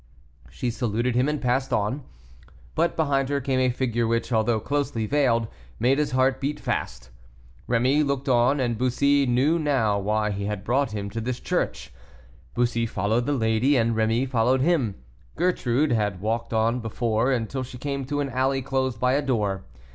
She saluted him and passed on, but behind her came a figure which, although closely veiled, made his heart beat fast. Rémy looked at him, and Bussy knew now why he had brought him to this church. Bussy followed the lady, and Rémy followed him. Gertrude had walked on before, until she came to an alley closed by a door.